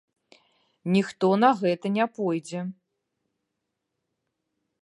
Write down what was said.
Ніхто на гэта не пойдзе.